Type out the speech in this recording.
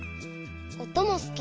おともすき。